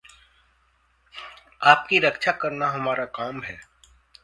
आपकी रक्षा करना हमारा काम है।